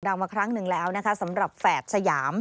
มาครั้งหนึ่งแล้วนะคะสำหรับแฝดสยาม